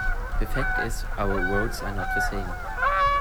The fact is, our roads are not the same.